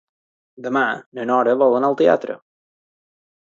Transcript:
Demà na Nora vol anar al teatre.